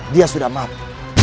dia sudah mati